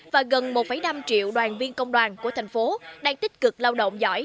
và gần một năm triệu đoàn viên công đoàn của thành phố đang tích cực lao động giỏi